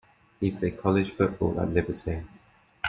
He played college football at Liberty.